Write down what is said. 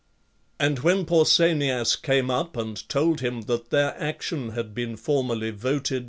And when Pausanias came up and, told him that their, action had been formally voted by.